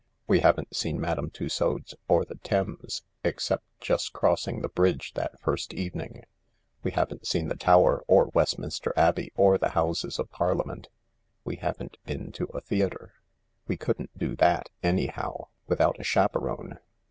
We haven't seen Madame Tussaud'a or the Thames, except just crossing the bridge that first evening ; we haven't seen the Tower or Westminster Abbey or the Houses of Parliament ; we haven't been to a theatre." "We couldn't do thai, anyhow, without a chaperone."